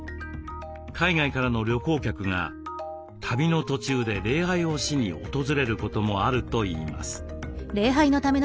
海外からの旅行客が旅の途中で礼拝をしに訪れることもあるといいます。